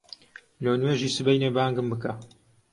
لۆ نوێژی سبەینێ بانگم بکە.